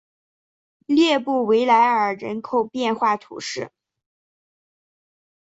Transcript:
列布维莱尔人口变化图示